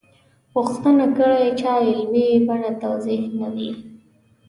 پوښتنه کړې چا علمي بڼه توضیح نه وي.